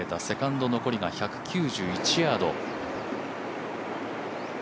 セカンド、残りが１９１ヤード。